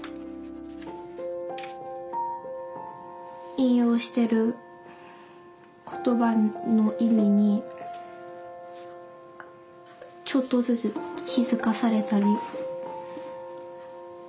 引用してる言葉の意味にちょっとずつ気付かされたり。